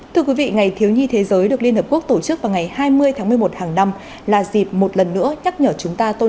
thưa quý vị ngày thiếu nhi thế giới được liên hợp quốc tổ chức vào ngày hai mươi tháng một mươi một hàng năm là dịp một lần nữa nhắc nhở chúng ta tôn trọng